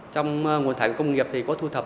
trong nguồn thải của công nghiệp thì có thu thập